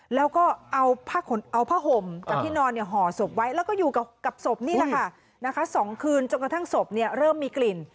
แล้วก็เอาผ้าห่มจากที่นอนห่อศพไว้แล้วก็อยู่กับศพนี่แหละค่ะ๒คืนจนกระทั่งศพเริ่มมีกลิ่น